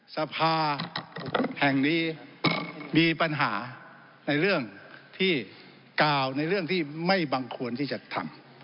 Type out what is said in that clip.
สภาแห่งนี้มีปัญหาในเรื่องที่กล่าวในเรื่องที่ไม่บังควรที่จะทำ